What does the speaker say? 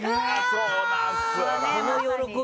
そうなんっすよな。